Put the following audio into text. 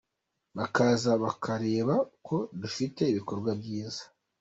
Bakaza bakareba ko dufite ibikorwa byiza.